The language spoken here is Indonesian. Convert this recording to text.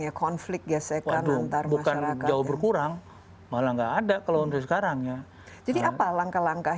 ya konflik gesekan antar masyarakat berkurang malah enggak ada kalau sekarang ya jadi apa langkah langkah